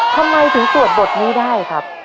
ทำไมถึงสวดบทนี้ได้ครับ